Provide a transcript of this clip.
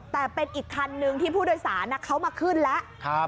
แต่เป็นอีกคันนึงที่ผู้โดยสารเขามาขึ้นแล้ว